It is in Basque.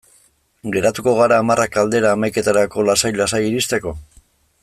Geratuko gara hamarrak aldera, hamaiketarako lasai-lasai iristeko?